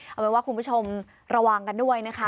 เอาเป็นว่าคุณผู้ชมระวังกันด้วยนะคะ